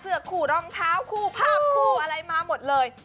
คู่รองเท้าคู่ภาพคู่อะไรมาหมดเลย